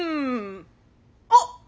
あっ